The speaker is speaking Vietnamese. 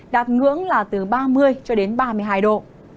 đạt ngưỡng là từ ba mươi cho đến ba mươi hai độ